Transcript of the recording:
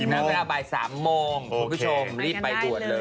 นักภิปศ์๓โมงทุกผู้ชมรีบไปด่วนเลยนะคะ